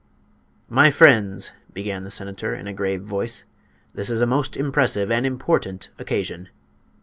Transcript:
"My friends," began the senator, in a grave voice, "this is a most impressive and important occasion."